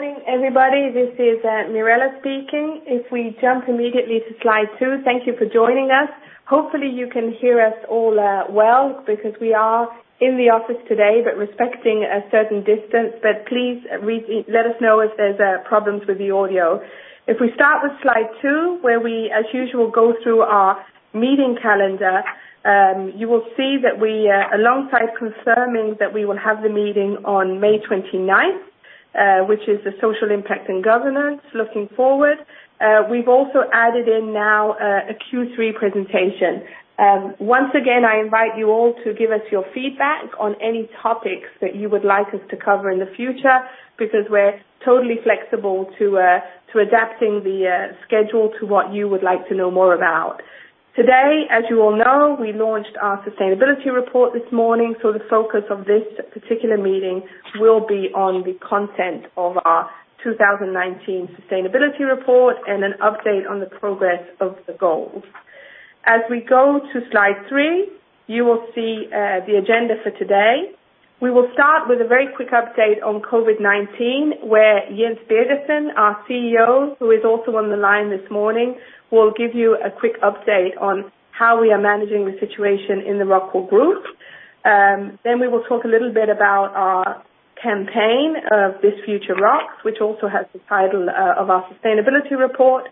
Good morning, everybody. This is Mirella speaking. If we jump immediately to slide two, thank you for joining us. Hopefully, you can hear us all well because we are in the office today, but respecting a certain distance. But please let us know if there's problems with the audio. If we start with slide two, where we, as usual, go through our meeting calendar, you will see that we, alongside confirming that we will have the meeting on May 29th, which is the Social Impact and Governance, looking forward, we've also added in now a Q3 presentation. Once again, I invite you all to give us your feedback on any topics that you would like us to cover in the future because we're totally flexible to adapting the schedule to what you would like to know more about. Today, as you all know, we launched our sustainability report this morning, so the focus of this particular meeting will be on the content of our 2019 sustainability report and an update on the progress of the goals. As we go to slide three, you will see the agenda for today. We will start with a very quick update on COVID-19, where Jens Birgersson, our CEO, who is also on the line this morning, will give you a quick update on how we are managing the situation in the Rockwool Group. Then we will talk a little bit about our campaign of This Future Rocks, which also has the title of our sustainability report.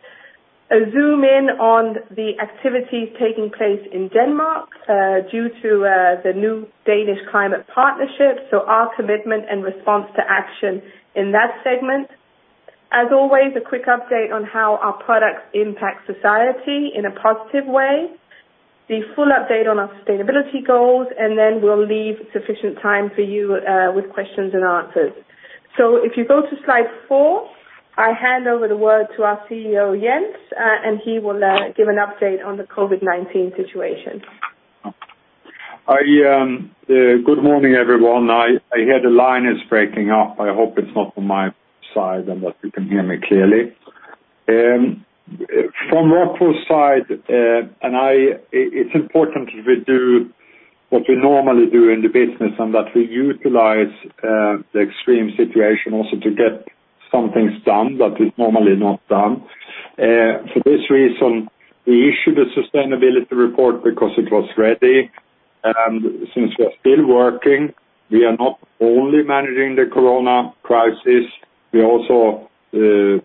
A zoom in on the activities taking place in Denmark due to the new Danish Climate Partnership, so our commitment and response to action in that segment. As always, a quick update on how our products impact society in a positive way. The full update on our sustainability goals, and then we'll leave sufficient time for you with questions and answers. So if you go to slide four, I hand over the word to our CEO, Jens, and he will give an update on the COVID-19 situation. Good morning, everyone. I hear the line is breaking up. I hope it's not on my side and that you can hear me clearly. From Rockwool's side, it's important that we do what we normally do in the business and that we utilize the extreme situation also to get some things done that is normally not done. For this reason, we issued a sustainability report because it was ready. Since we are still working, we are not only managing the Corona crisis, we are also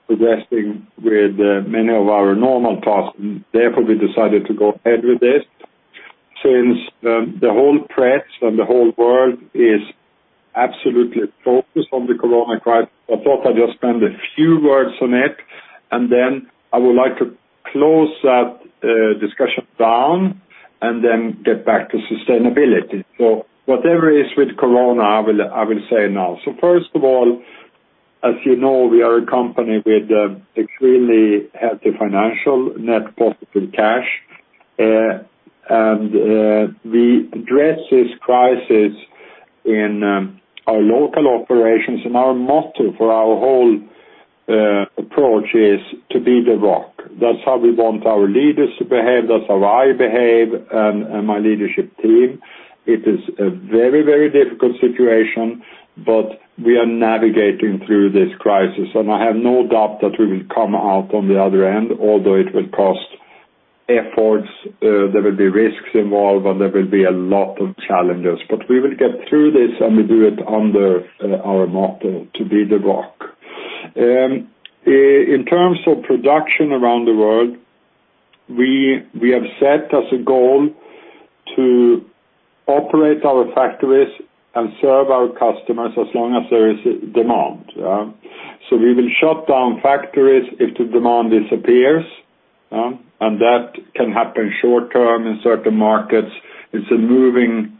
progressing with many of our normal tasks. Therefore, we decided to go ahead with this since the whole press and the whole world is absolutely focused on the Corona crisis. I thought I'd just spend a few words on it, and then I would like to close that discussion down and then get back to sustainability. So whatever is with Corona, I will say now. First of all, as you know, we are a company with extremely healthy financial net positive cash, and we address this crisis in our local operations, and our motto for our whole approach is to be the rock. That's how we want our leaders to behave, that's how I behave and my leadership team. It is a very, very difficult situation, but we are navigating through this crisis, and I have no doubt that we will come out on the other end, although it will cost efforts, there will be risks involved, and there will be a lot of challenges, but we will get through this, and we do it under our motto to be the rock. In terms of production around the world, we have set as a goal to operate our factories and serve our customers as long as there is demand. So we will shut down factories if the demand disappears, and tha t can happen short term in certain markets. It's a moving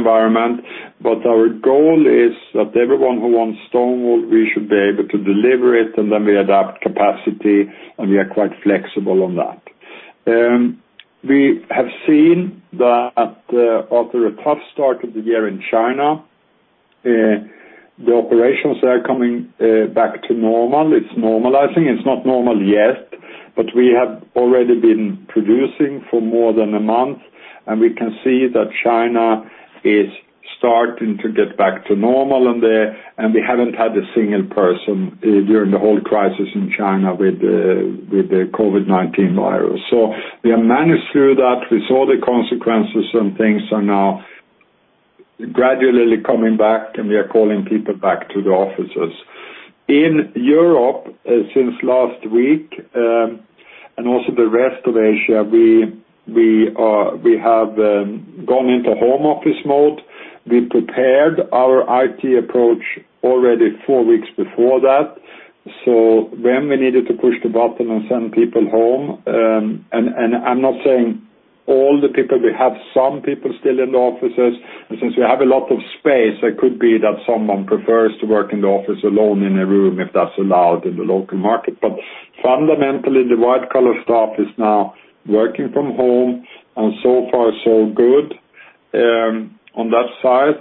environment, but our goal is that everyone who wants stone wool, we should be able to deliver it, and then we adapt capacity, and we are quite flexible on that. We have seen that after a tough start of the year in China, the operations are coming back to normal. It's normalizing. It's not normal yet, but we have already been producing for more than a month, and we can see that China is starting to get back to normal, and we haven't had a single person during the whole crisis in China with the COVID-19 virus. So we have managed through that. We saw the consequences, and things are now gradually coming back, and we are calling people back to the offices. In Europe, since last week and also the rest of Asia, we have gone into home office mode. We prepared our IT approach already four weeks before that. So when we needed to push the button and send people home, and I'm not saying all the people, we have some people still in the offices, and since we have a lot of space, it could be that someone prefers to work in the office alone in a room if that's allowed in the local market. But fundamentally, the white-collar staff is now working from home, and so far, so good on that side.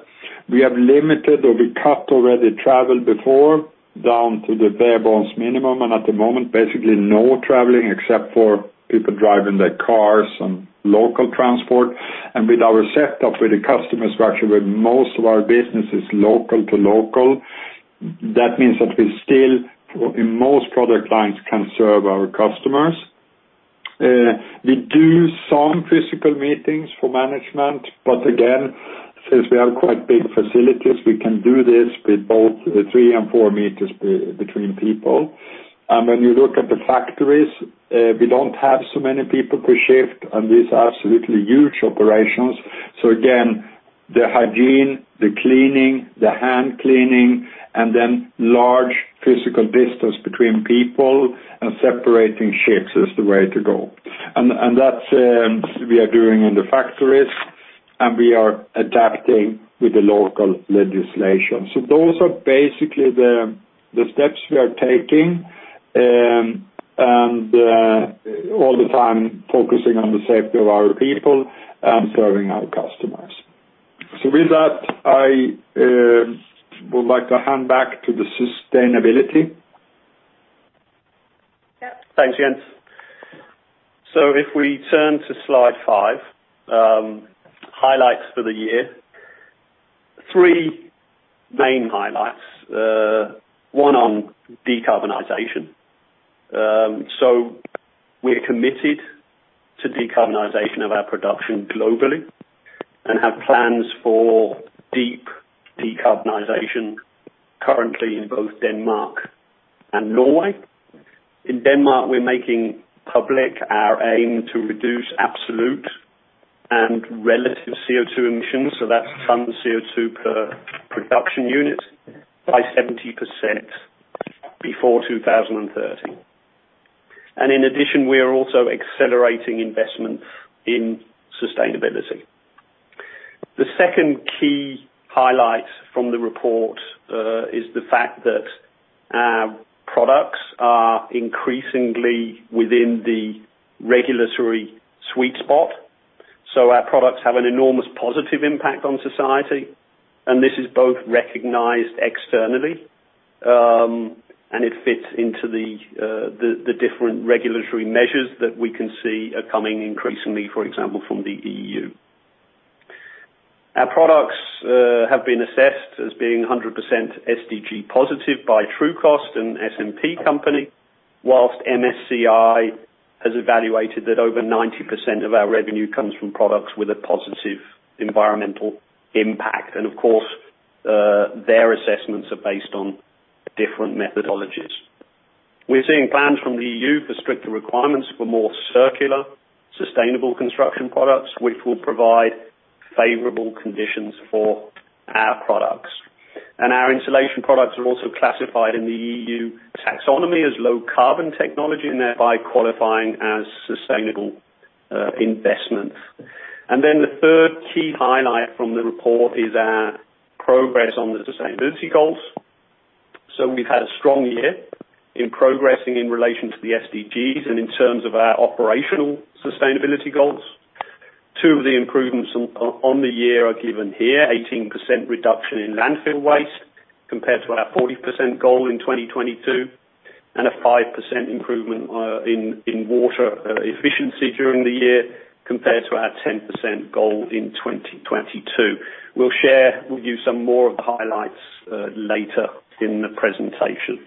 We have limited, or we cut already travel before down to the bare bones minimum, and at the moment, basically no traveling except for people driving their cars and local transport. And with our setup with the customers, actually, with most of our business is local to local. That means that we still, in most product lines, can serve our customers. We do some physical meetings for management, but again, since we have quite big facilities, we can do this with both three and four meters between people. And when you look at the factories, we don't have so many people per shift, and these are absolutely huge operations. So again, the hygiene, the cleaning, the hand cleaning, and then large physical distance between people and separating shifts is the way to go. And that's what we are doing in the factories, and we are adapting with the local legislation. So those are basically the steps we are taking and all the time focusing on the safety of our people and serving our customers. So with that, I would like to hand back to the sustainability. Thanks, Jens. So if we turn to slide five, highlights for the year, three main highlights. One on decarbonization. So we're committed to decarbonization of our production globally and have plans for deep decarbonization currently in both Denmark and Norway. In Denmark, we're making public our aim to reduce absolute and relative CO2 emissions, so that's ton CO2 per production unit, by 70% before 2030, and in addition, we are also accelerating investments in sustainability. The second key highlight from the report is the fact that our products are increasingly within the regulatory sweet spot. So our products have an enormous positive impact on society, and this is both recognized externally, and it fits into the different regulatory measures that we can see are coming increasingly, for example, from the EU. Our products have been assessed as being 100% SDG positive by Trucost, an S&P company, while MSCI has evaluated that over 90% of our revenue comes from products with a positive environmental impact, and of course, their assessments are based on different methodologies. We're seeing plans from the EU for stricter requirements for more circular, sustainable construction products, which will provide favorable conditions for our products, and our insulation products are also classified in the EU Taxonomy as low-carbon technology and thereby qualifying as sustainable investments, then the third key highlight from the report is our progress on the sustainability goals, so we've had a strong year in progressing in relation to the SDGs and in terms of our operational sustainability goals. Two of the improvements on the year are given here: 18% reduction in landfill waste compared to our 40% goal in 2022, and a 5% improvement in water efficiency during the year compared to our 10% goal in 2022. We'll share with you some more of the highlights later in the presentation.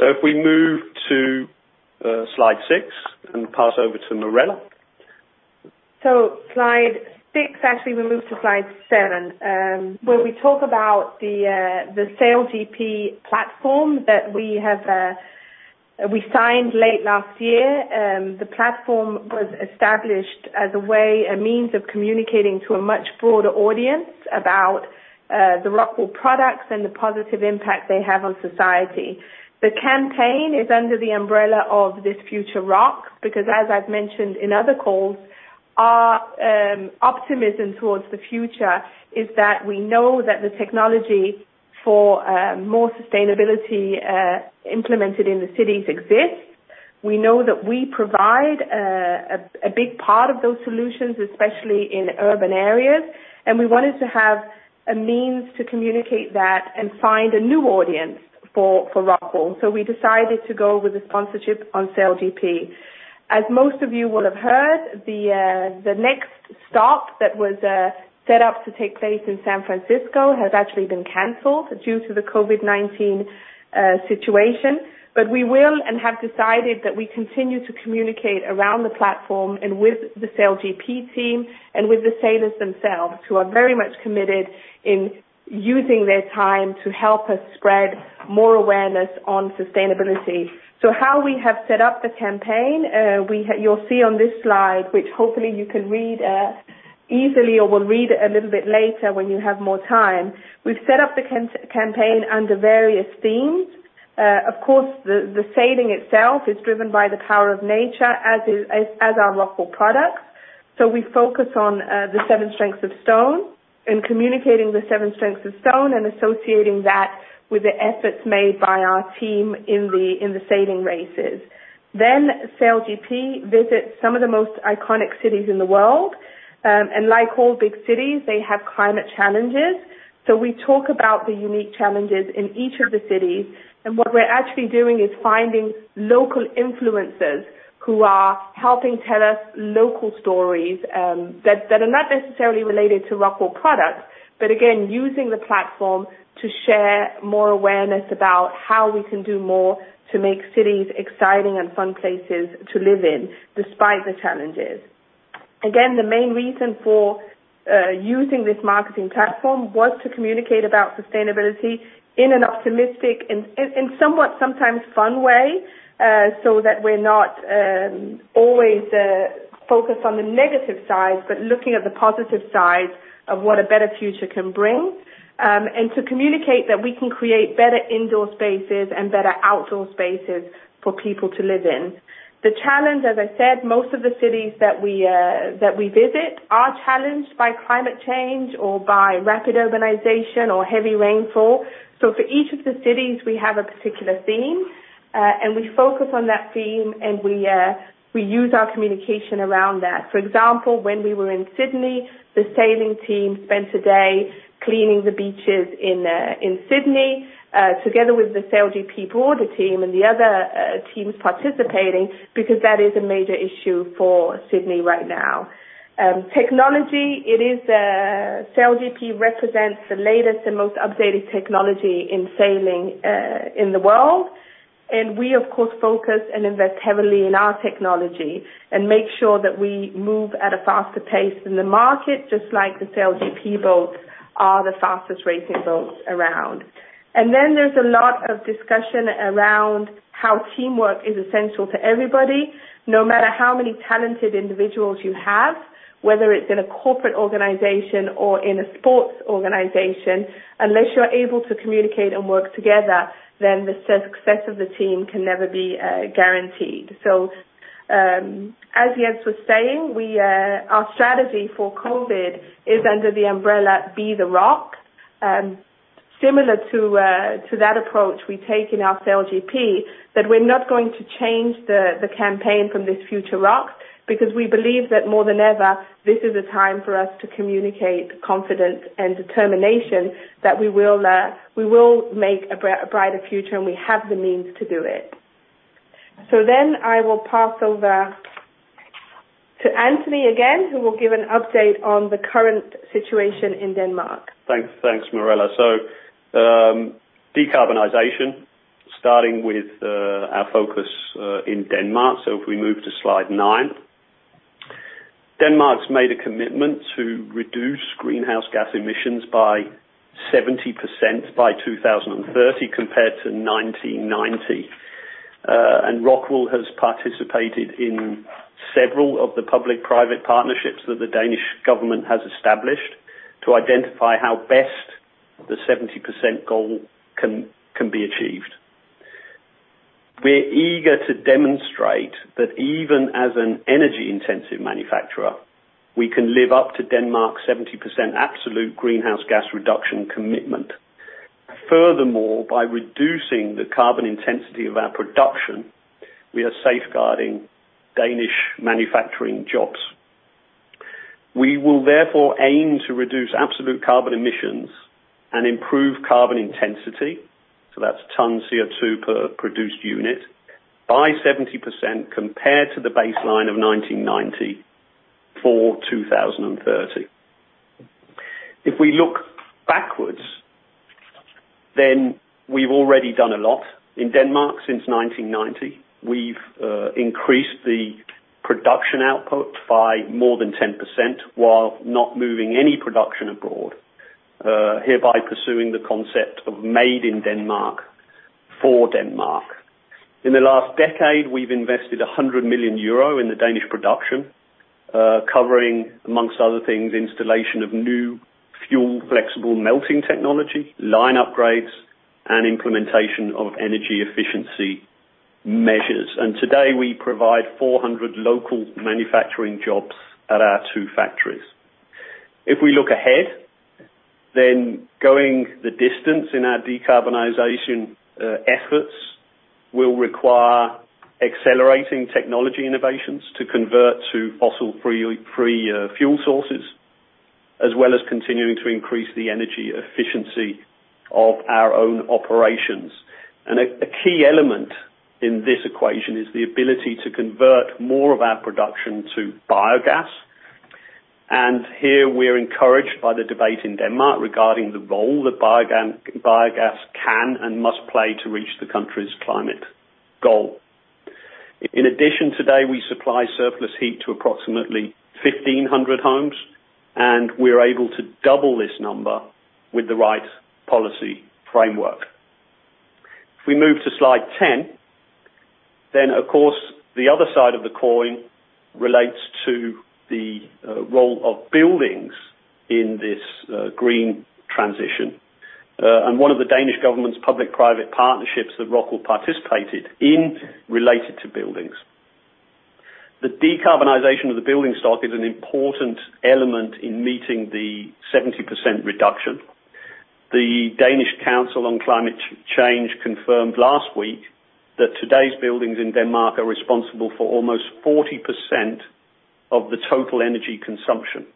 So if we move to slide six and pass over to Mirella. So slide six, actually, we move to slide seven, where we talk about the SailGP platform that we signed late last year. The platform was established as a means of communicating to a much broader audience about the Rockwool products and the positive impact they have on society. The campaign is under the umbrella of This Future Rocks because, as I've mentioned in other calls, our optimism towards the future is that we know that the technology for more sustainability implemented in the cities exists. We know that we provide a big part of those solutions, especially in urban areas, and we wanted to have a means to communicate that and find a new audience for Rockwool. So we decided to go with the sponsorship on SailGP. As most of you will have heard, the next stop that was set up to take place in San Francisco has actually been canceled due to the COVID-19 situation. But we will and have decided that we continue to communicate around the platform and with the SailGP team and with the sailors themselves who are very much committed in using their time to help us spread more awareness on sustainability. So how we have set up the campaign, you'll see on this slide, which hopefully you can read easily or will read a little bit later when you have more time. We've set up the campaign under various themes. Of course, the sailing itself is driven by the power of nature as are Rockwool products. We focus on the Seven Strengths of Stone and communicating the Seven Strengths of Stone and associating that with the efforts made by our team in the sailing races. SailGP visits some of the most iconic cities in the world. Like all big cities, they have climate challenges. We talk about the unique challenges in each of the cities. What we're actually doing is finding local influencers who are helping tell us local stories that are not necessarily related to Rockwool products, but again, using the platform to share more awareness about how we can do more to make cities exciting and fun places to live in despite the challenges. Again, the main reason for using this marketing platform was to communicate about sustainability in an optimistic and somewhat sometimes fun way so that we're not always focused on the negative side, but looking at the positive side of what a better future can bring and to communicate that we can create better indoor spaces and better outdoor spaces for people to live in. The challenge, as I said, most of the cities that we visit are challenged by climate change or by rapid urbanization or heavy rainfall. So for each of the cities, we have a particular theme, and we focus on that theme, and we use our communication around that. For example, when we were in Sydney, the sailing team spent a day cleaning the beaches in Sydney together with the SailGP broader team and the other teams participating because that is a major issue for Sydney right now. Technology. SailGP represents the latest and most updated technology in sailing in the world. And we, of course, focus and invest heavily in our technology and make sure that we move at a faster pace than the market, just like the SailGP boats are the fastest racing boats around. And then there's a lot of discussion around how teamwork is essential to everybody. No matter how many talented individuals you have, whether it's in a corporate organization or in a sports organization, unless you're able to communicate and work together, then the success of the team can never be guaranteed. So as Jens was saying, our strategy for COVID is under the umbrella Be the Rock. Similar to that approach we take in our SailGP, that we're not going to change the campaign from This Future Rocks because we believe that more than ever, this is a time for us to communicate confidence and determination that we will make a brighter future and we have the means to do it. So then I will pass over to Anthony again, who will give an update on the current situation in Denmark. Thanks, Mirella. So, decarbonization, starting with our focus in Denmark. So, if we move to slide nine, Denmark's made a commitment to reduce greenhouse gas emissions by 70% by 2030 compared to 1990. And Rockwool has participated in several of the public-private partnerships that the Danish government has established to identify how best the 70% goal can be achieved. We're eager to demonstrate that even as an energy-intensive manufacturer, we can live up to Denmark's 70% absolute greenhouse gas reduction commitment. Furthermore, by reducing the carbon intensity of our production, we are safeguarding Danish manufacturing jobs. We will therefore aim to reduce absolute carbon emissions and improve carbon intensity. So, that's ton CO2 per produced unit by 70% compared to the baseline of 1990 for 2030. If we look backwards, then we've already done a lot in Denmark since 1990. We've increased the production output by more than 10% while not moving any production abroad, hereby pursuing the concept of made in Denmark for Denmark. In the last decade, we've invested 100 million euro in the Danish production, covering, amongst other things, installation of new fuel flexible melting technology, line upgrades, and implementation of energy efficiency measures. And today, we provide 400 local manufacturing jobs at our two factories. If we look ahead, then going the distance in our decarbonization efforts will require accelerating technology innovations to convert to fossil-free fuel sources, as well as continuing to increase the energy efficiency of our own operations. And a key element in this equation is the ability to convert more of our production to biogas. And here, we're encouraged by the debate in Denmark regarding the role that biogas can and must play to reach the country's climate goal. In addition, today, we supply surplus heat to approximately 1,500 homes, and we're able to double this number with the right policy framework. If we move to slide 10, then, of course, the other side of the coin relates to the role of buildings in this green transition and one of the Danish government's public-private partnerships that Rockwool participated in related to buildings. The decarbonization of the building stock is an important element in meeting the 70% reduction. The Danish Council on Climate Change confirmed last week that today's buildings in Denmark are responsible for almost 40% of the total energy consumption.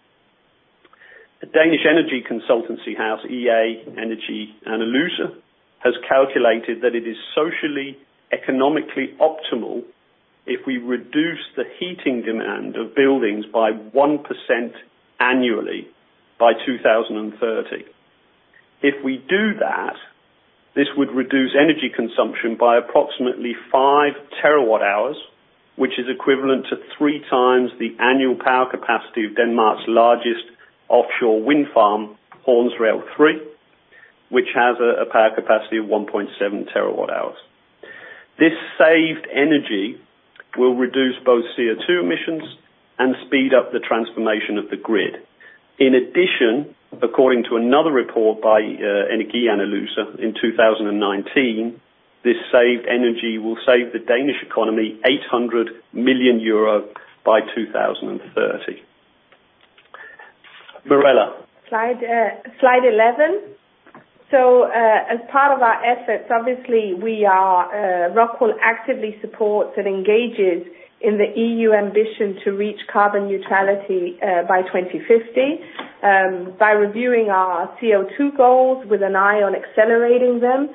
The Danish energy consultancy house, Ea Energy Analyses, has calculated that it is socially economically optimal if we reduce the heating demand of buildings by 1% annually by 2030. If we do that, this would reduce energy consumption by approximately five terawatt hours, which is equivalent to three times the annual power capacity of Denmark's largest offshore wind farm, Horns Rev 3, which has a power capacity of 1.7 terawatt hours. This saved energy will reduce both CO2 emissions and speed up the transformation of the grid. In addition, according to another report by Ea Energy Analyses in 2019, this saved energy will save the Danish economy 800 million euro by 2030. Mirella. Slide 11. So as part of our efforts, obviously, Rockwool actively supports and engages in the EU ambition to reach carbon neutrality by 2050 by reviewing our CO2 goals with an eye on accelerating them.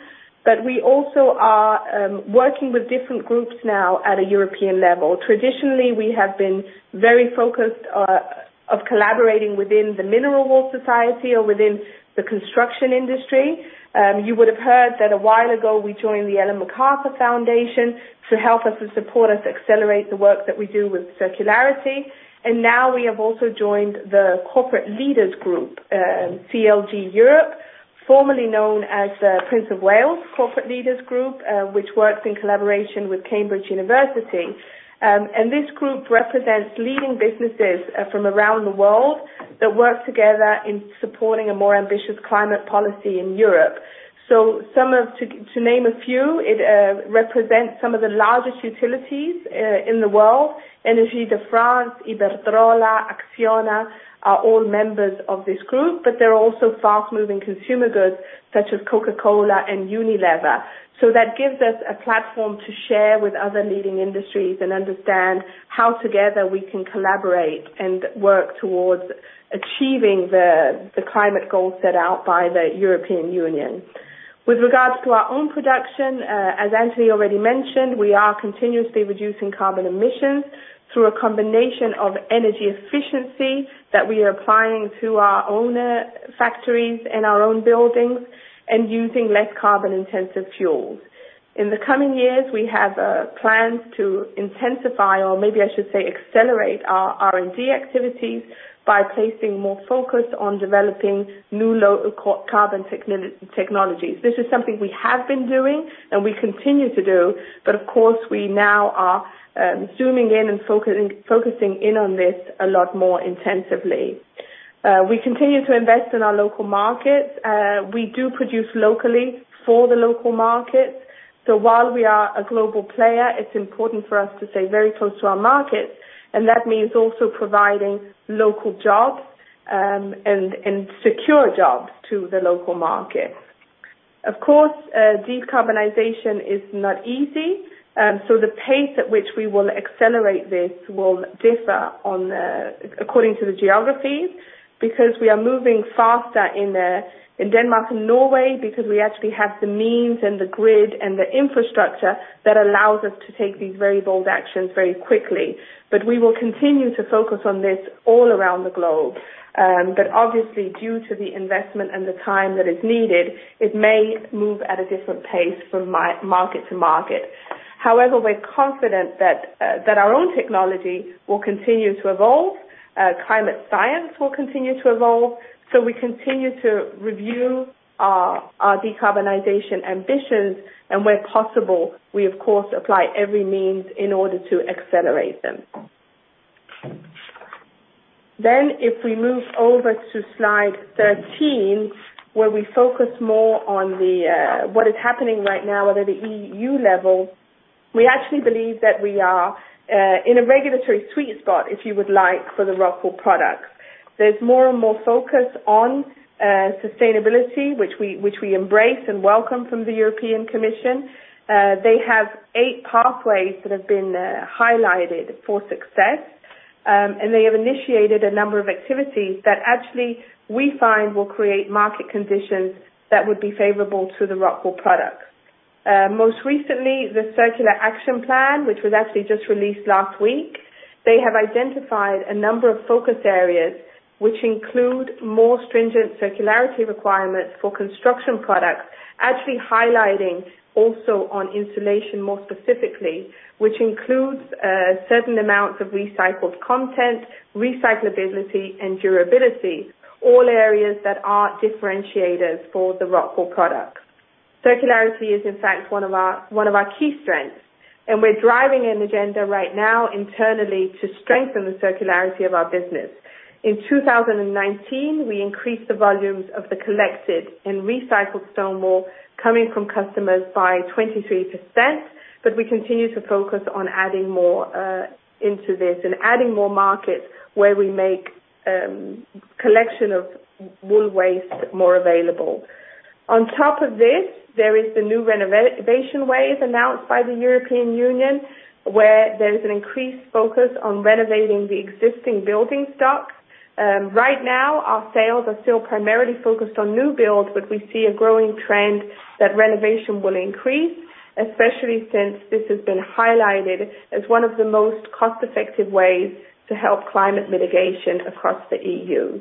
But we also are working with different groups now at a European level. Traditionally, we have been very focused on collaborating within the mineral wool society or within the construction industry. You would have heard that a while ago, we joined the Ellen MacArthur Foundation to help us and support us accelerate the work that we do with circularity. And now, we have also joined the corporate leaders group, CLG Europe, formerly known as the Prince of Wales's Corporate Leaders Group, which works in collaboration with Cambridge University. And this group represents leading businesses from around the world that work together in supporting a more ambitious climate policy in Europe. So to name a few, it represents some of the largest utilities in the world. EDF, Iberdrola, Acciona are all members of this group, but there are also fast-moving consumer goods such as Coca-Cola and Unilever. So that gives us a platform to share with other leading industries and understand how together we can collaborate and work towards achieving the climate goals set out by the European Union. With regards to our own production, as Anthony already mentioned, we are continuously reducing carbon emissions through a combination of energy efficiency that we are applying to our own factories and our own buildings and using less carbon-intensive fuels. In the coming years, we have plans to intensify, or maybe I should say accelerate, our R&D activities by placing more focus on developing new low-carbon technologies. This is something we have been doing and we continue to do. But of course, we now are zooming in and focusing in on this a lot more intensively. We continue to invest in our local markets. We do produce locally for the local markets. So while we are a global player, it's important for us to stay very close to our markets. And that means also providing local jobs and secure jobs to the local markets. Of course, decarbonization is not easy. So the pace at which we will accelerate this will differ according to the geographies because we are moving faster in Denmark and Norway because we actually have the means and the grid and the infrastructure that allows us to take these very bold actions very quickly. But we will continue to focus on this all around the globe. But obviously, due to the investment and the time that is needed, it may move at a different pace from market to market. However, we're confident that our own technology will continue to evolve. Climate science will continue to evolve. So we continue to review our decarbonization ambitions. And where possible, we, of course, apply every means in order to accelerate them. Then if we move over to slide 13, where we focus more on what is happening right now at the EU level, we actually believe that we are in a regulatory sweet spot, if you would like, for the Rockwool products. There's more and more focus on sustainability, which we embrace and welcome from the European Commission. They have eight pathways that have been highlighted for success. They have initiated a number of activities that actually we find will create market conditions that would be favorable to the Rockwool products. Most recently, the Circular Action Plan, which was actually just released last week. They have identified a number of focus areas, which include more stringent circularity requirements for construction products, actually highlighting also on insulation more specifically, which includes certain amounts of recycled content, recyclability, and durability, all areas that are differentiators for the Rockwool products. Circularity is, in fact, one of our key strengths. We're driving an agenda right now internally to strengthen the circularity of our business. In 2019, we increased the volumes of the collected and recycled stone wool coming from customers by 23%. We continue to focus on adding more into this and adding more markets where we make collection of wool waste more available. On top of this, there is the new Renovation Wave announced by the European Union, where there is an increased focus on renovating the existing building stock. Right now, our sales are still primarily focused on new builds, but we see a growing trend that renovation will increase, especially since this has been highlighted as one of the most cost-effective ways to help climate mitigation across the EU.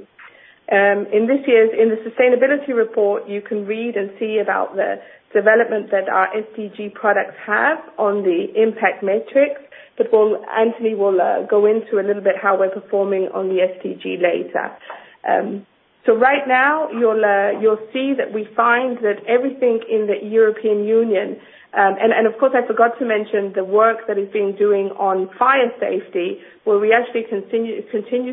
In the Sustainability Report, you can read and see about the development that our SDG products have on the impact metrics. But Anthony will go into a little bit how we're performing on the SDG later. So right now, you'll see that we find that everything in the European Union and of course, I forgot to mention the work that is being done on fire safety, where we actually continue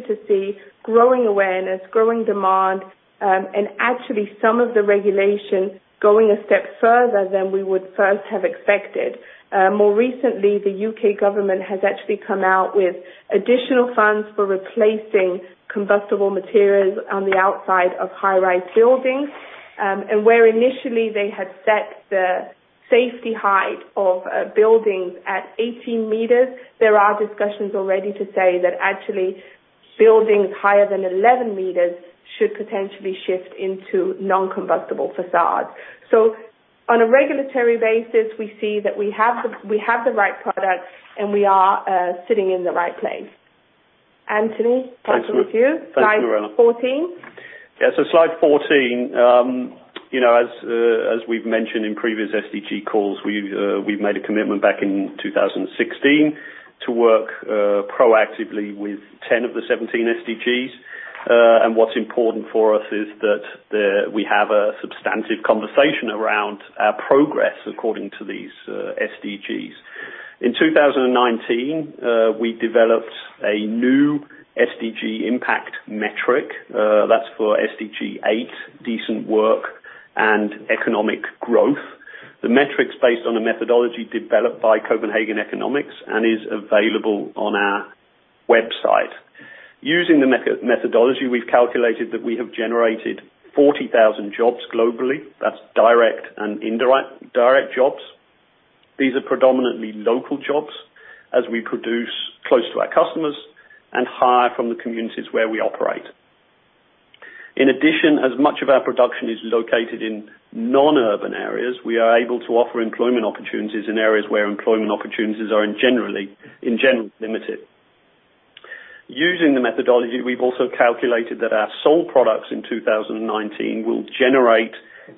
to see growing awareness, growing demand, and actually some of the regulation going a step further than we would first have expected. More recently, the UK Government has actually come out with additional funds for replacing combustible materials on the outside of high-rise buildings, and where initially they had set the safety height of buildings at 18 meters, there are discussions already to say that actually buildings higher than 11 meters should potentially shift into non-combustible facades, so on a regulatory basis, we see that we have the right products and we are sitting in the right place. Anthony, passing with you. Thank you, Mirella. Slide 14. Yeah. So slide 14, as we've mentioned in previous SDG calls, we've made a commitment back in 2016 to work proactively with 10 of the 17 SDGs. And what's important for us is that we have a substantive conversation around our progress according to these SDGs. In 2019, we developed a new SDG impact metric. That's for SDG 8, decent work and economic growth. The metric's based on a methodology developed by Copenhagen Economics and is available on our website. Using the methodology, we've calculated that we have generated 40,000 jobs globally. That's direct and indirect jobs. These are predominantly local jobs as we produce close to our customers and hire from the communities where we operate. In addition, as much of our production is located in non-urban areas, we are able to offer employment opportunities in areas where employment opportunities are generally limited. Using the methodology, we've also calculated that our sold products in 2019 will generate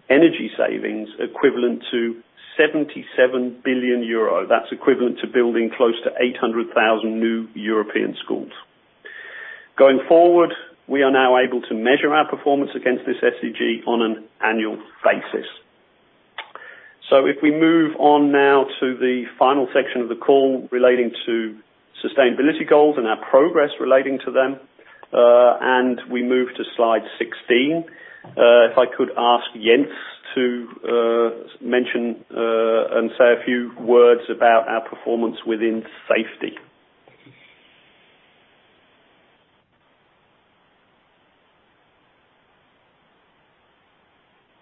energy savings equivalent to 77 billion euro. That's equivalent to building close to 800,000 new European schools. Going forward, we are now able to measure our performance against this SDG on an annual basis. So if we move on now to the final section of the call relating to sustainability goals and our progress relating to them, and we move to slide 16, if I could ask Jens to mention and say a few words about our performance within safety.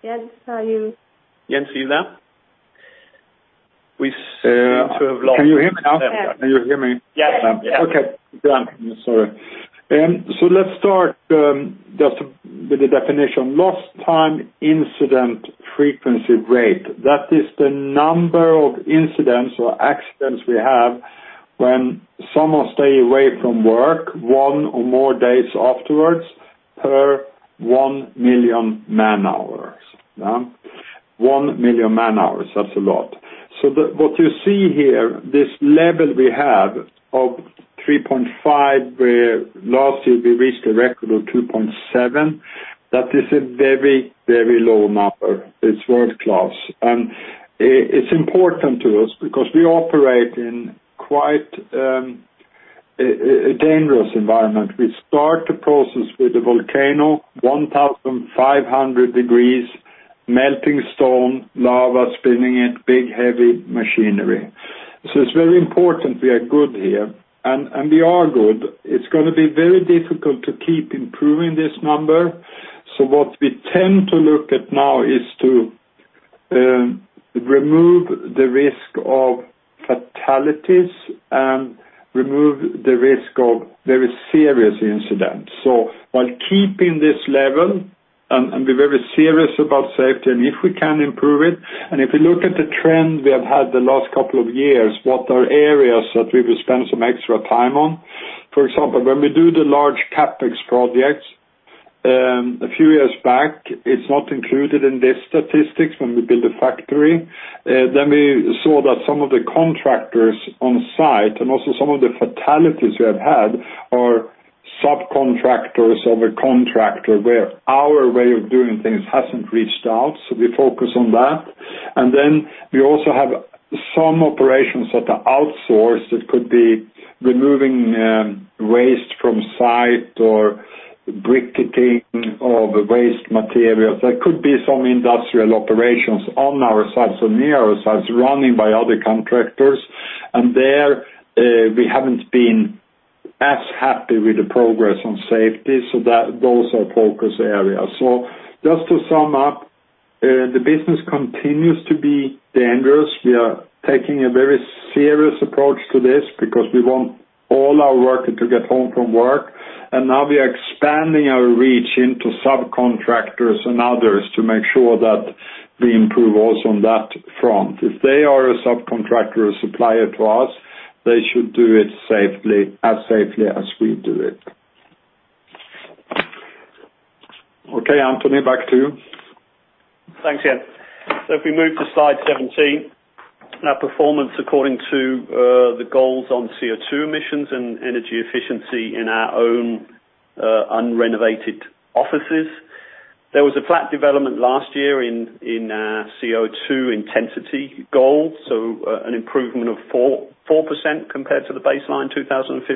Jens, are you? Jens, are you there? We seem to have lost. Can you hear me now? Can you hear me? Yes. Okay. Done. Sorry. So let's start just with the definition: Lost Time Incident Frequency Rate. That is the number of incidents or accidents we have when someone stays away from work one or more days afterwards per one million man-hours. One million man-hours. That's a lot. So what you see here, this level we have of 3.5, where last year we reached a record of 2.7, that is a very, very low number. It's world-class. And it's important to us because we operate in quite a dangerous environment. We start the process with a volcano, 1,500 degrees, melting stone, lava spinning it, big heavy machinery. So it's very important we are good here. And we are good. It's going to be very difficult to keep improving this number. So what we tend to look at now is to remove the risk of fatalities and remove the risk of very serious incidents. So while keeping this level and be very serious about safety and if we can improve it. And if you look at the trend we have had the last couple of years, what are areas that we will spend some extra time on? For example, when we do the large CapEx projects a few years back, it's not included in these statistics when we build a factory. Then we saw that some of the contractors on site and also some of the fatalities we have had are subcontractors of a contractor where our way of doing things hasn't reached out. So we focus on that. And then we also have some operations that are outsourced. It could be removing waste from site or briquetting of waste materials. There could be some industrial operations on our sites or near our sites running by other contractors. And there, we haven't been as happy with the progress on safety. So those are focus areas. So just to sum up, the business continues to be dangerous. We are taking a very serious approach to this because we want all our workers to get home from work. And now we are expanding our reach into subcontractors and others to make sure that we improve also on that front. If they are a subcontractor or a supplier to us, they should do it as safely as we do it. Okay, Anthony, back to you. Thanks, Jens. So if we move to slide 17, our performance according to the goals on CO2 emissions and energy efficiency in our own unrenovated offices. There was a flat development last year in CO2 intensity goals, so an improvement of 4% compared to the baseline 2015.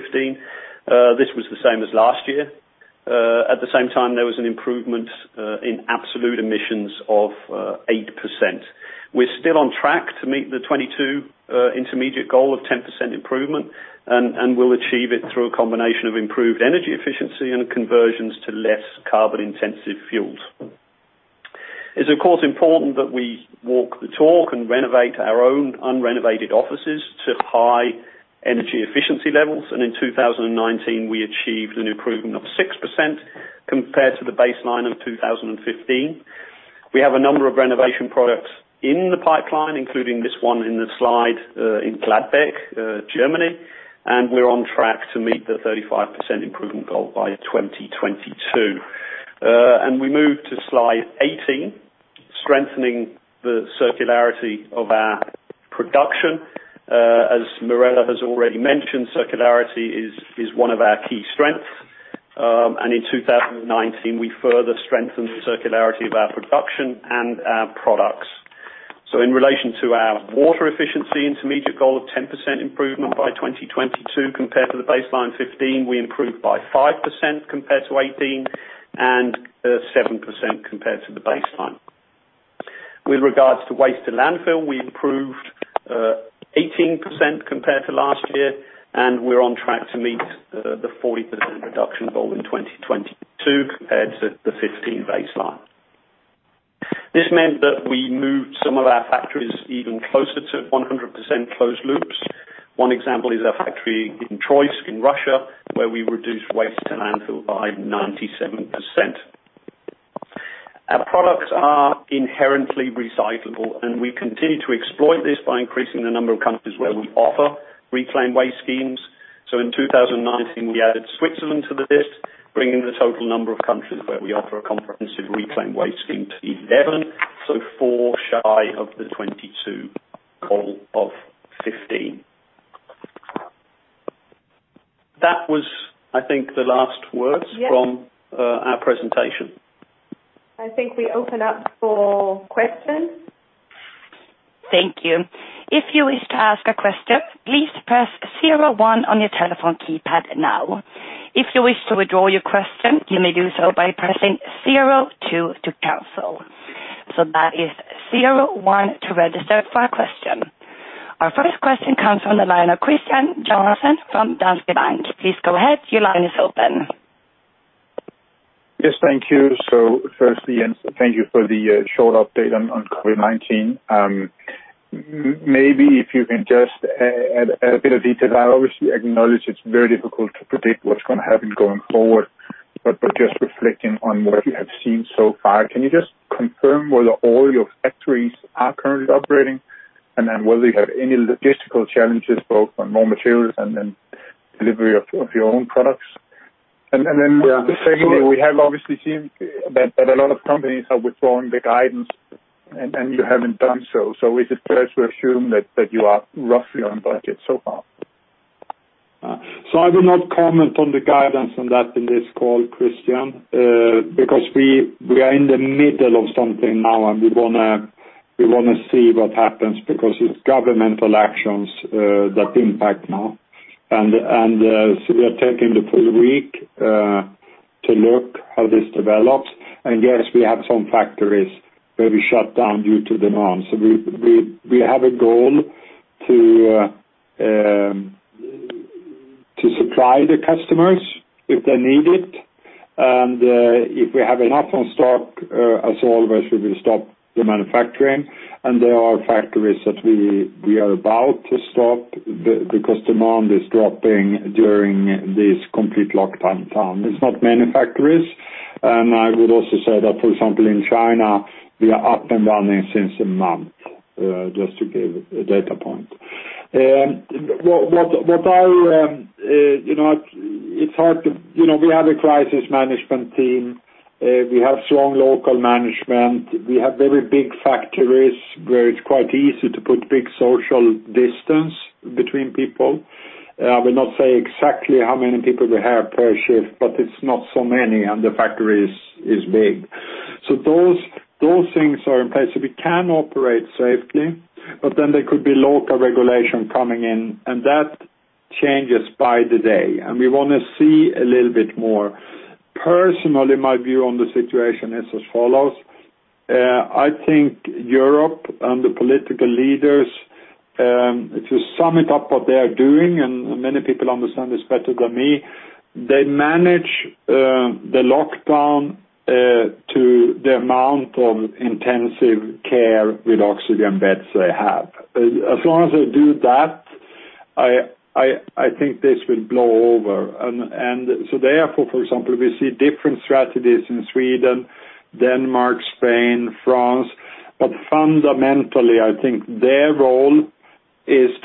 This was the same as last year. At the same time, there was an improvement in absolute emissions of 8%. We're still on track to meet the 2022 intermediate goal of 10% improvement, and we'll achieve it through a combination of improved energy efficiency and conversions to less carbon-intensive fuels. It's, of course, important that we walk the talk and renovate our own unrenovated offices to high energy efficiency levels. And in 2019, we achieved an improvement of 6% compared to the baseline of 2015. We have a number of renovation products in the pipeline, including this one in the slide in Gladbeck, Germany. And we're on track to meet the 35% improvement goal by 2022. And we move to slide 18, strengthening the circularity of our production. As Mirella has already mentioned, circularity is one of our key strengths. And in 2019, we further strengthened the circularity of our production and our products. So in relation to our water efficiency intermediate goal of 10% improvement by 2022 compared to the baseline 2015, we improved by 5% compared to 2018 and 7% compared to the baseline. With regards to waste and landfill, we improved 18% compared to last year. And we're on track to meet the 40% reduction goal in 2022 compared to the 2015 baseline. This meant that we moved some of our factories even closer to 100% closed loops. One example is our factory in Troitsk, in Russia, where we reduced waste to landfill by 97%. Our products are inherently recyclable. And we continue to exploit this by increasing the number of countries where we offer reclaimed waste schemes. So in 2019, we added Switzerland to the list, bringing the total number of countries where we offer a comprehensive reclaimed waste scheme to 11, so four shy of the 2022 goal of 15. That was, I think, the last words from our presentation. I think we open up for questions. Thank you. If you wish to ask a question, please press 01 on your telephone keypad now. If you wish to withdraw your question, you may do so by pressing 02 to cancel. So that is 01 to register for a question. Our first question comes from the line of Kristian Johansen from Danske Bank. Please go ahead. Your line is open. Yes, thank you. So first, Jens, thank you for the short update on COVID-19. Maybe if you can just add a bit of detail. I obviously acknowledge it's very difficult to predict what's going to happen going forward, but just reflecting on what you have seen so far, can you just confirm whether all your factories are currently operating and then whether you have any logistical challenges both on raw materials and then delivery of your own products? And then secondly, we have obviously seen that a lot of companies are withdrawing the guidance, and you haven't done so. So is it fair to assume that you are roughly on budget so far? So I will not comment on the guidance on that in this call, Kristian, because we are in the middle of something now, and we want to see what happens because it's governmental actions that impact now. And so we are taking the full week to look how this develops. And yes, we have some factories where we shut down due to demand. So we have a goal to supply the customers if they need it. And if we have enough in stock, as always, we will stop the manufacturing. And there are factories that we are about to stop because demand is dropping during this complete lockdown. It's not many factories. And I would also say that, for example, in China, we are up and running since a month, just to give a data point. We have a crisis management team. We have strong local management. We have very big factories where it's quite easy to put big social distance between people. I will not say exactly how many people we have per shift, but it's not so many, and the factory is big. So those things are in place. So we can operate safely, but then there could be local regulation coming in, and that changes by the day. And we want to see a little bit more. Personally, my view on the situation is as follows. I think Europe and the political leaders, if you sum it up what they are doing, and many people understand this better than me, they manage the lockdown to the amount of intensive care with oxygen beds they have. As long as they do that, I think this will blow over. And so therefore, for example, we see different strategies in Sweden, Denmark, Spain, France. But fundamentally, I think their role is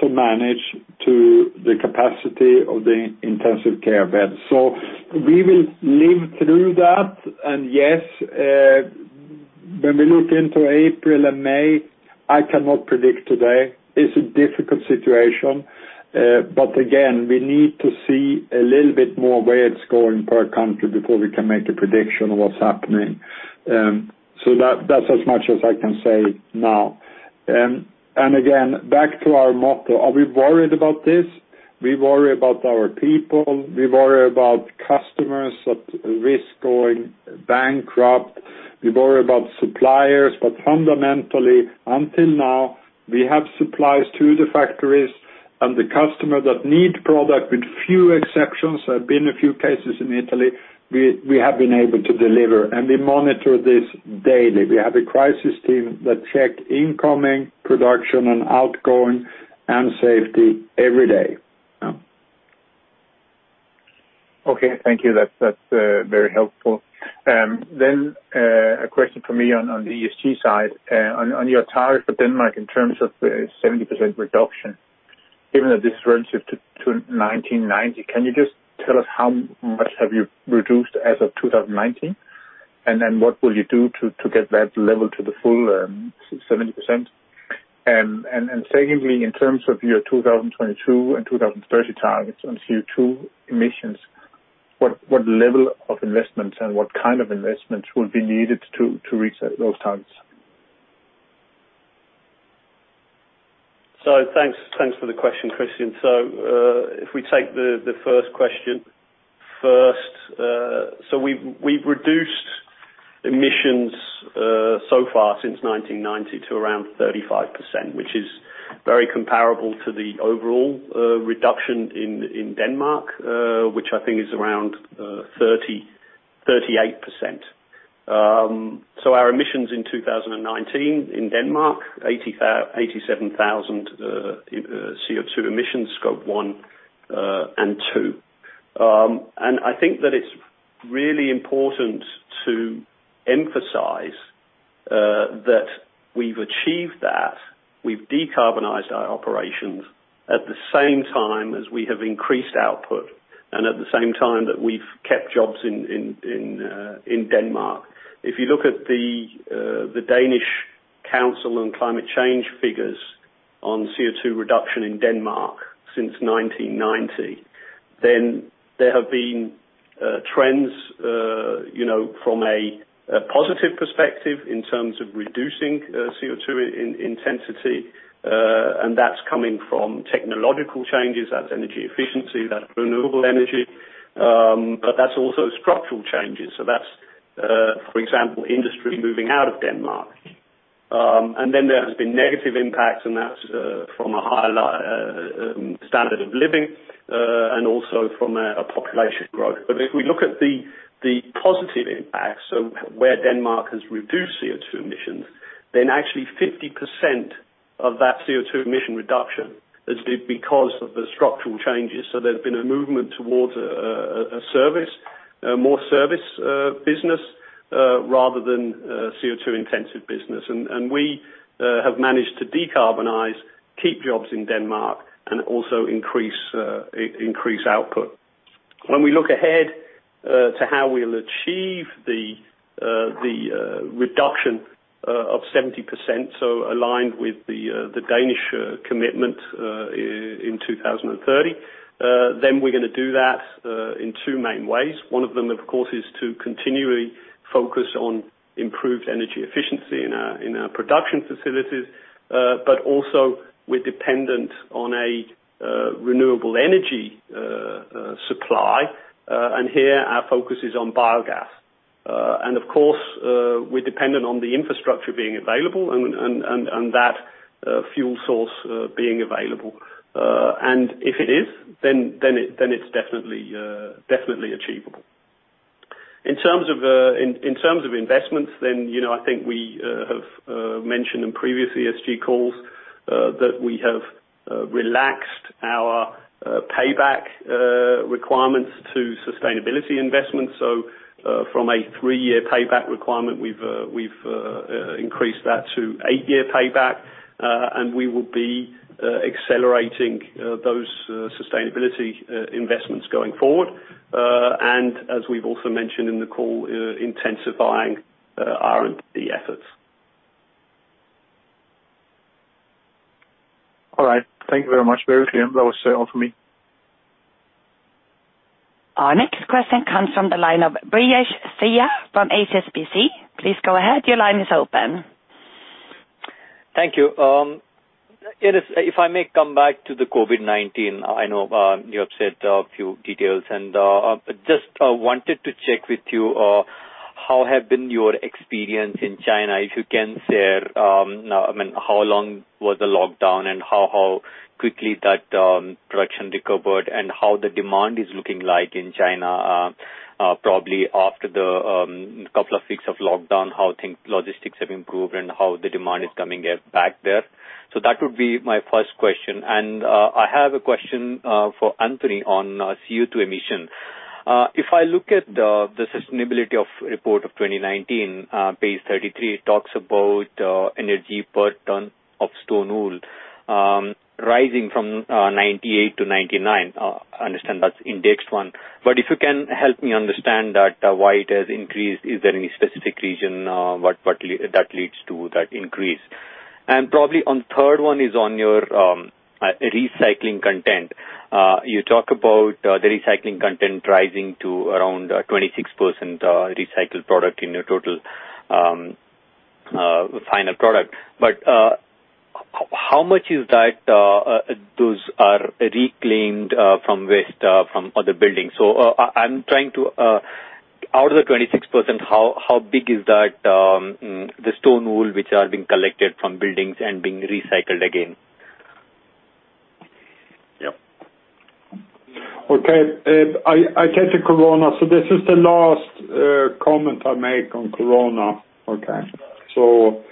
to manage to the capacity of the intensive care beds. So we will live through that. And yes, when we look into April and May, I cannot predict today. It's a difficult situation. But again, we need to see a little bit more where it's going per country before we can make a prediction of what's happening. So that's as much as I can say now. And again, back to our motto. Are we worried about this? We worry about our people. We worry about customers at risk going bankrupt. We worry about suppliers. But fundamentally, until now, we have supplies to the factories. And the customer that needs product, with few exceptions, there have been a few cases in Italy, we have been able to deliver. We monitor this daily. We have a crisis team that checks incoming, production, and outgoing, and safety every day. Okay. Thank you. That's very helpful. Then a question from me on the ESG side. On your target with Denmark in terms of the 70% reduction, given that this is relative to 1990, can you just tell us how much have you reduced as of 2019? And then what will you do to get that level to the full 70%? And secondly, in terms of your 2022 and 2030 targets on CO2 emissions, what level of investments and what kind of investments will be needed to reach those targets? Thanks for the question, Kristian. If we take the first question first, so we've reduced emissions so far since 1990 to around 35%, which is very comparable to the overall reduction in Denmark, which I think is around 38%. Our emissions in 2019 in Denmark, 87,000 CO2 emissions, scope one and two. And I think that it's really important to emphasize that we've achieved that. We've decarbonized our operations at the same time as we have increased output and at the same time that we've kept jobs in Denmark. If you look at the Danish Council on Climate Change figures on CO2 reduction in Denmark since 1990, then there have been trends from a positive perspective in terms of reducing CO2 intensity. And that's coming from technological changes. That's energy efficiency. That's renewable energy. But that's also structural changes. That's, for example, industry moving out of Denmark. Then there has been negative impacts, and that's from a higher standard of living and also from a population growth. If we look at the positive impacts, where Denmark has reduced CO2 emissions, then actually 50% of that CO2 emission reduction has been because of the structural changes. There's been a movement towards a service, more service business rather than a CO2-intensive business. We have managed to decarbonize, keep jobs in Denmark, and also increase output. When we look ahead to how we'll achieve the reduction of 70%, aligned with the Danish commitment in 2030, then we're going to do that in two main ways. One of them, of course, is to continually focus on improved energy efficiency in our production facilities, but also we're dependent on a renewable energy supply. And here, our focus is on biogas. And of course, we're dependent on the infrastructure being available and that fuel source being available. And if it is, then it's definitely achievable. In terms of investments, then I think we have mentioned in previous ESG calls that we have relaxed our payback requirements to sustainability investments. So from a three-year payback requirement, we've increased that to eight-year payback. And we will be accelerating those sustainability investments going forward. And as we've also mentioned in the call, intensifying R&D efforts. All right. Thank you very much, Mirella. That was all for me. Our next question comes from the line of Brijesh Siya from HSBC. Please go ahead. Your line is open. Thank you. If I may come back to the COVID-19, I know you have said a few details. And just wanted to check with you, how have been your experience in China? If you can share, I mean, how long was the lockdown and how quickly that production recovered and how the demand is looking like in China, probably after the couple of weeks of lockdown, how things logistics have improved and how the demand is coming back there. So that would be my first question. And I have a question for Anthony on CO2 emission. If I look at the sustainability report of 2019, page 33, it talks about energy per ton of stone wool rising from 98 to 99. I understand that's indexed one. But if you can help me understand that, why it has increased, is there any specific reason what that leads to that increase? Probably on the third one is on your recycling content. You talk about the recycling content rising to around 26% recycled product in your total final product. But how much is that those are reclaimed from waste from other buildings? I'm trying to out of the 26%, how big is that the stone wool which are being collected from buildings and being recycled again? Yeah. Okay. I get the COVID-19. So this is the last comment I make on COVID-19. Okay.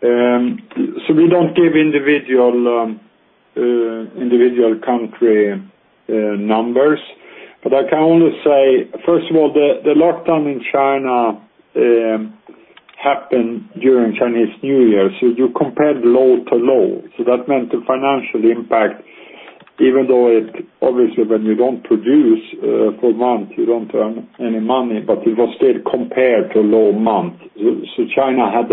So we don't give individual country numbers. But I can only say, first of all, the lockdown in China happened during Chinese New Year. So you compared low to low. So that meant the financial impact, even though it obviously when you don't produce for a month, you don't earn any money, but it was still compared to a low month. So China had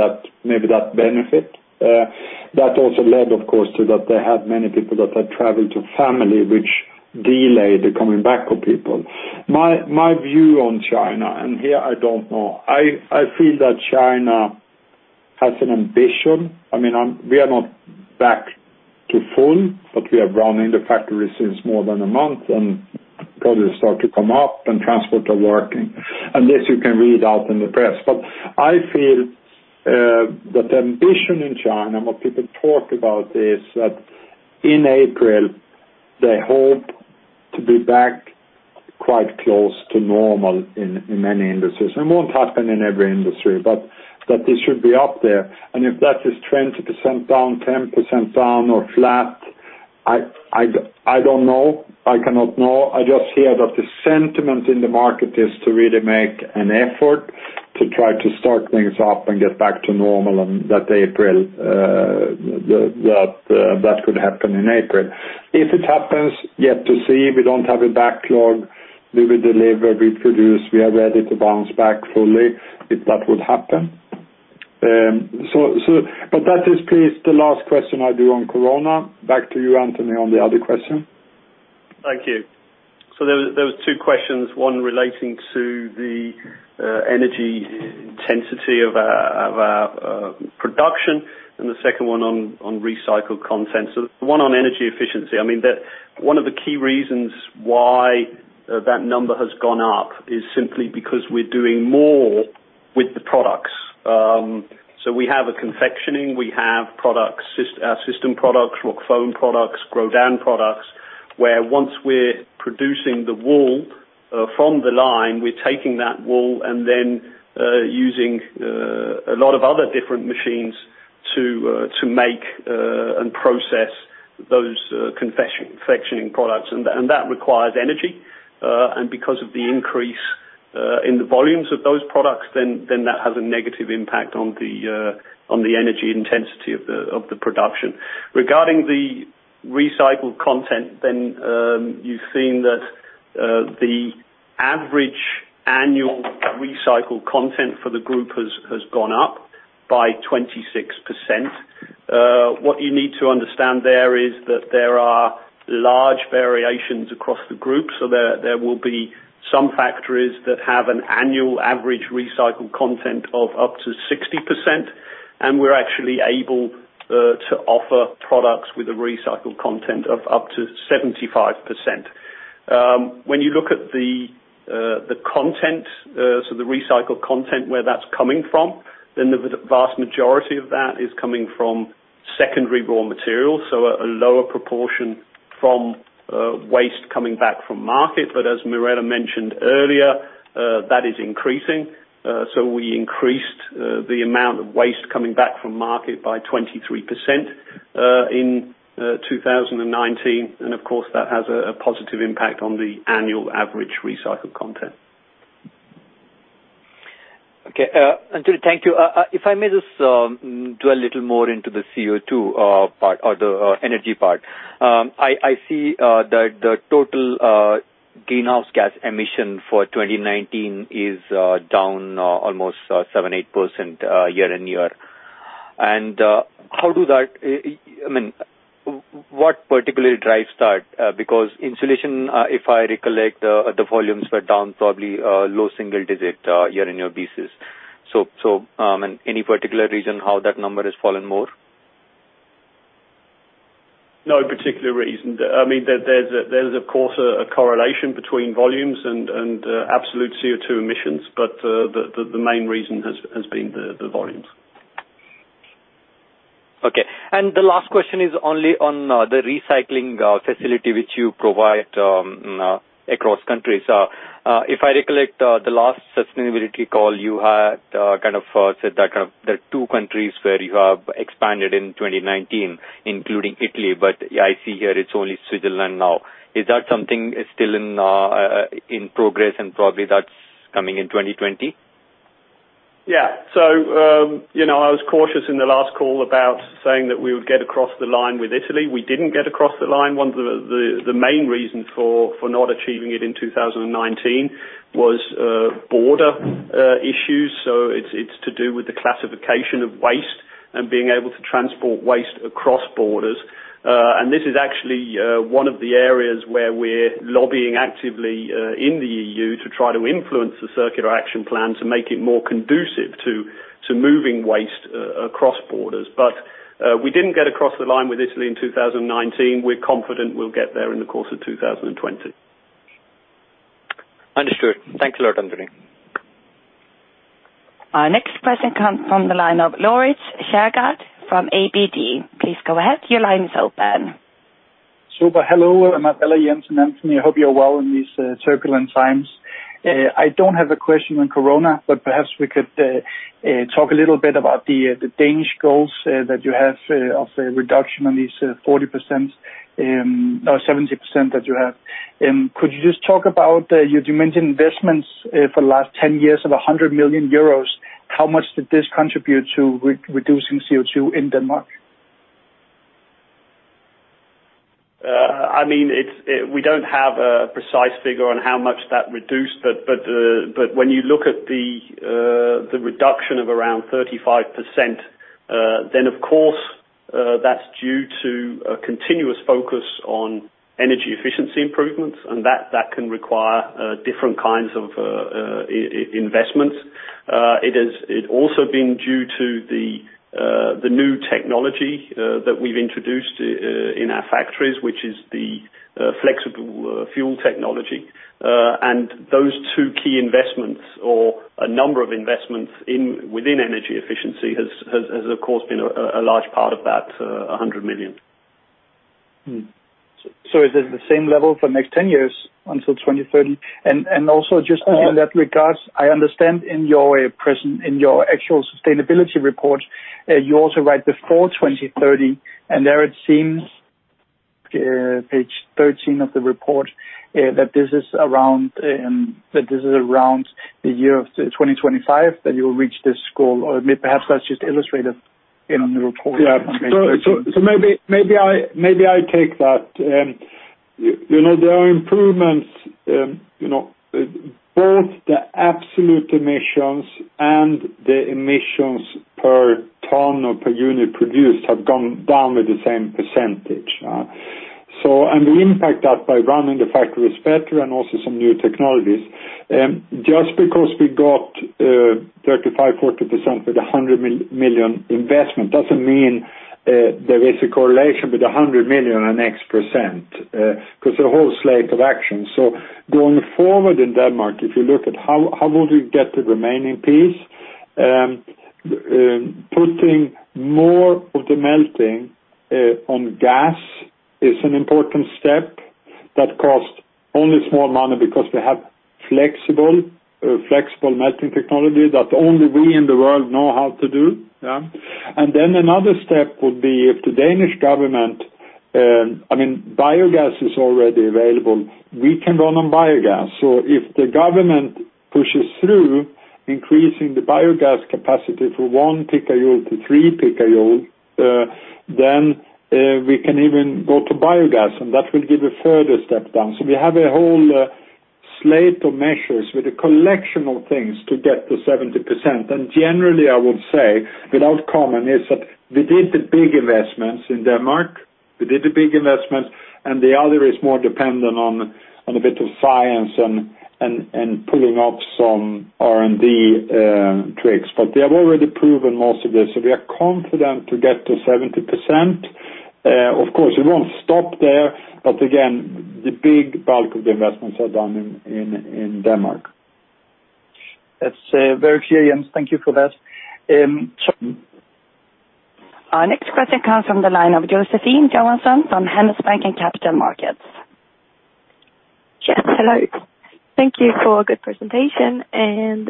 maybe that benefit. That also led, of course, to that they had many people that had traveled to family, which delayed the coming back of people. My view on China, and here I don't know, I feel that China has an ambition. I mean, we are not back to full, but we are running the factory since more than a month, and probably start to come up and transport are working. And this you can read out in the press. But I feel that the ambition in China, what people talk about is that in April, they hope to be back quite close to normal in many industries. It won't happen in every industry, but that this should be up there. And if that is 20% down, 10% down, or flat, I don't know. I cannot know. I just hear that the sentiment in the market is to really make an effort to try to start things up and get back to normal and that that could happen in April. If it happens, yet to see. We don't have a backlog. We will deliver, produce. We are ready to bounce back fully if that would happen. But that is, please, the last question I do on Corona. Back to you, Anthony, on the other question. Thank you. So there were two questions, one relating to the energy intensity of our production and the second one on recycled content. So the one on energy efficiency, I mean, one of the key reasons why that number has gone up is simply because we're doing more with the products. So we have converting. We have system products, Rockfon products, Grodan products, where once we're producing the wool from the line, we're taking that wool and then using a lot of other different machines to make and process those converting products. And that requires energy. And because of the increase in the volumes of those products, then that has a negative impact on the energy intensity of the production. Regarding the recycled content, then you've seen that the average annual recycled content for the group has gone up by 26%. What you need to understand there is that there are large variations across the group. So there will be some factories that have an annual average recycled content of up to 60%, and we're actually able to offer products with a recycled content of up to 75%. When you look at the content, so the recycled content where that's coming from, then the vast majority of that is coming from secondary raw materials, so a lower proportion from waste coming back from market. But as Mirella mentioned earlier, that is increasing. So we increased the amount of waste coming back from market by 23% in 2019. And of course, that has a positive impact on the annual average recycled content. Okay. Anthony, thank you. If I may just do a little more into the CO2 part or the energy part, I see that the total greenhouse gas emission for 2019 is down almost 7-8% year on year. And how do that I mean, what particularly drives that? Because insulation, if I recollect, the volumes were down probably low single-digit year on year basis. So any particular reason how that number has fallen more? No particular reason. I mean, there's, of course, a correlation between volumes and absolute CO2 emissions, but the main reason has been the volumes. Okay. And the last question is only on the recycling facility which you provide across countries. If I recollect the last sustainability call, you had kind of said that there are two countries where you have expanded in 2019, including Italy, but I see here it's only Switzerland now. Is that something still in progress and probably that's coming in 2020? Yeah. So I was cautious in the last call about saying that we would get across the line with Italy. We didn't get across the line. One of the main reasons for not achieving it in 2019 was border issues. So it's to do with the classification of waste and being able to transport waste across borders. And this is actually one of the areas where we're lobbying actively in the EU to try to influence the circular action plan to make it more conducive to moving waste across borders. But we didn't get across the line with Italy in 2019. We're confident we'll get there in the course of 2020. Understood. Thank you a lot, Anthony. Our next question comes from the line of Laurits Kjærgaard from ABG. Please go ahead. Your line is open. Super. Hello, Mirella, Jens, and Anthony. I hope you're well in these turbulent times. I don't have a question on Corona, but perhaps we could talk a little bit about the Danish goals that you have of reduction on these 40% or 70% that you have. Could you just talk about your decarbonization investments for the last 10 years of 100 million euros? How much did this contribute to reducing CO2 in Denmark? I mean, we don't have a precise figure on how much that reduced, but when you look at the reduction of around 35%, then of course, that's due to a continuous focus on energy efficiency improvements, and that can require different kinds of investments. It has also been due to the new technology that we've introduced in our factories, which is the flexible fuel technology. Those two key investments or a number of investments within energy efficiency has, of course, been a large part of that 100 million. So is it the same level for the next 10 years until 2030? And also just in that regard, I understand in your actual sustainability report, you also write before 2030, and there it seems, page 13 of the report, that this is around the year of 2025 that you will reach this goal. Perhaps that's just illustrated in the report. Yeah. So maybe I take that. There are improvements. Both the absolute emissions and the emissions per ton or per unit produced have gone down with the same percentage. And we impact that by running the factories better and also some new technologies. Just because we got 35%-40% with a 100 million investment doesn't mean there is a correlation with 100 million and X% because of the whole slate of actions. So going forward in Denmark, if you look at how would we get the remaining piece, putting more of the melting on gas is an important step that costs only small money because we have flexible melting technology that only we in the world know how to do. And then another step would be if the Danish government, I mean, biogas is already available. We can run on biogas. So if the government pushes through increasing the biogas capacity from one PJ to three PJ, then we can even go to biogas, and that will give a further step down. So we have a whole slate of measures with a collection of things to get to 70%. And generally, I would say without comment is that we did the big investments in Denmark. We did the big investments, and the other is more dependent on a bit of science and pulling off some R&D tricks. But they have already proven most of this. So we are confident to get to 70%. Of course, we won't stop there, but again, the big bulk of the investments are done in Denmark. That's very clear, Jens. Thank you for that. Our next question comes from the line of Josefin Johansson from Handelsbanken Capital Markets. Yes. Hello. Thank you for a good presentation.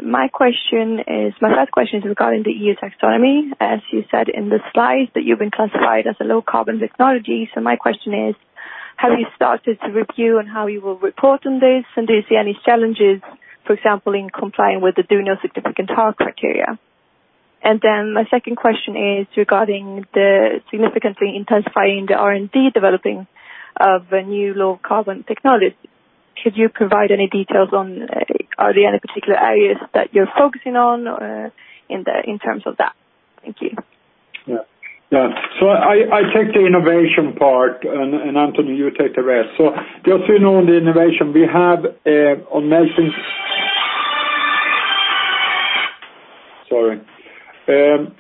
My question is, my first question is regarding the EU Taxonomy. As you said in the slides that you've been classified as a low-carbon technology, so my question is, have you started to review on how you will report on this, and do you see any challenges, for example, in complying with the Do No Significant Harm criteria? My second question is regarding the significantly intensifying the R&D developing of a new low-carbon technology. Could you provide any details on are there any particular areas that you're focusing on in terms of that? Thank you. Yeah. Yeah. So I take the innovation part, and Anthony, you take the rest. So just so you know, on the innovation, we have on melting, sorry.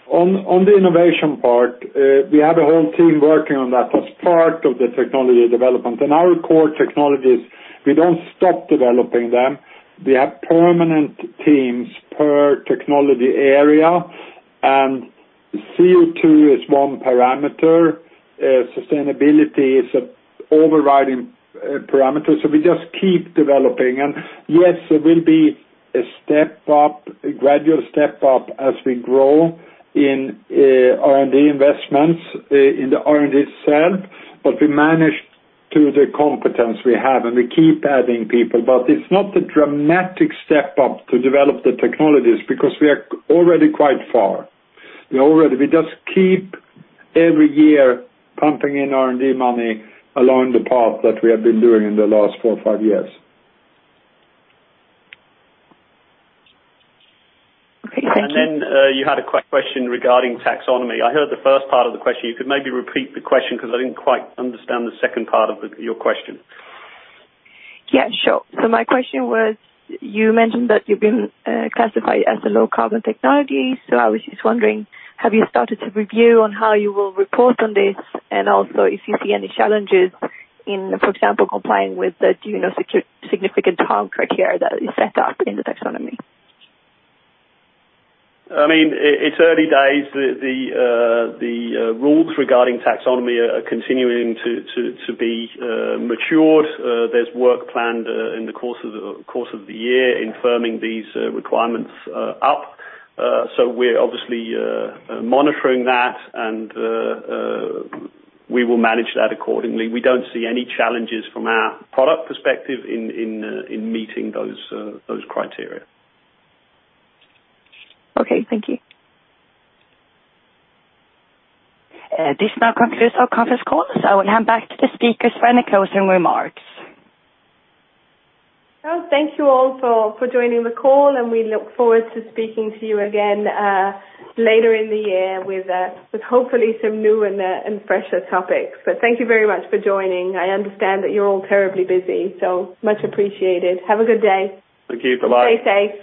On the innovation part, we have a whole team working on that as part of the technology development. And our core technologies, we don't stop developing them. We have permanent teams per technology area, and CO2 is one parameter. Sustainability is an overriding parameter. So we just keep developing. And yes, there will be a step up, a gradual step up as we grow in R&D investments in the R&D itself, but we manage to the competence we have, and we keep adding people. But it's not a dramatic step up to develop the technologies because we are already quite far. We just keep every year pumping in R&D money along the path that we have been doing in the last four or five years. Okay. Thank you. And then you had a question regarding taxonomy. I heard the first part of the question. You could maybe repeat the question because I didn't quite understand the second part of your question. Yeah. Sure. So my question was, you mentioned that you've been classified as a low-carbon technology. So I was just wondering, have you started to review on how you will report on this and also if you see any challenges in, for example, complying with the do no significant harm criteria that is set up in the taxonomy? I mean, it's early days. The rules regarding taxonomy are continuing to be matured. There's work planned in the course of the year in firming these requirements up. So we're obviously monitoring that, and we will manage that accordingly. We don't see any challenges from our product perspective in meeting those criteria. Okay. Thank you. This now concludes our conference call. So I will hand back to the speakers for any closing remarks. Thank you all for joining the call, and we look forward to speaking to you again later in the year with hopefully some new and fresher topics. Thank you very much for joining. I understand that you're all terribly busy, so much appreciated. Have a good day. Thank you. Bye-bye. Stay safe.